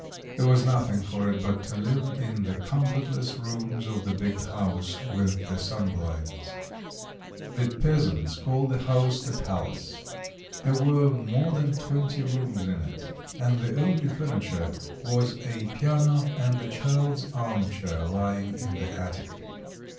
There was nothing for it but to live in the comfortless rooms of the big house with the sunblinds. The peasants called the house the palace; there were more than twenty rooms in it, and the only furniture was a piano and a child's arm chair lying in the attic.